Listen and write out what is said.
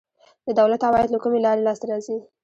د دولت عواید له کومې لارې لاسته راځي؟